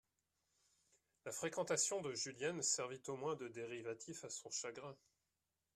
La fréquentation de Julienne servit au moins de dérivatif à son chagrin.